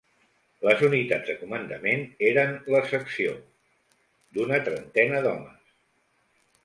Les unitats de comandament eren la «secció», d'una trentena d'homes